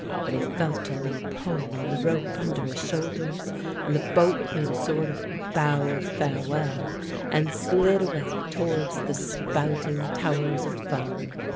Then he felt a little pull on the rope under his shoulders, and the boat made a sort of bow of farewell, and slid away towards the spouting towers of foam.